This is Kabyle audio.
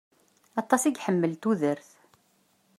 Aṭas i iḥemmel tudert.